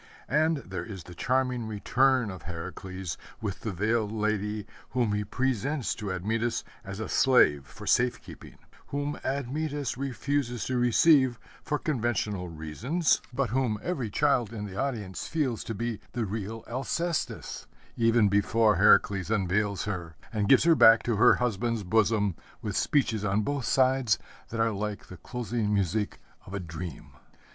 And there is the charming return of Heracles with the veiled lady whom he presents to Admetus as a slave for safe keeping, whom Admetus refuses to receive for conventional reasons, but whom every child in the audience feels to be the real Alcestis, even before Heracles unveils her and gives her back into her husband's bosom with speeches on both sides that are like the closing music of a dream.